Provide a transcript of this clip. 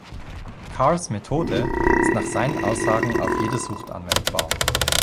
Carrs Methode ist nach seinen Aussagen auf jede Sucht anwendbar.